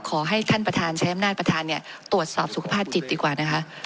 ขอให้ท่านประธานใช้อำนาจประธานตรวจสอบสุขภาพจิตดีกว่านะคะ